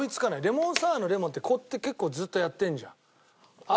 レモンサワーのレモンってこうやって結構ずっとやってるじゃん。